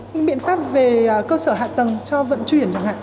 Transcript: những cái biện pháp về cơ sở hạ tầng cho vận chuyển